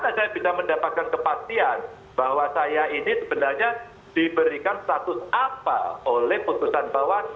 karena saya bisa mendapatkan kepastian bahwa saya ini sebenarnya diberikan status apa oleh putusan bawah